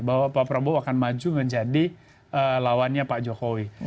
bahwa pak prabowo akan maju menjadi lawannya pak jokowi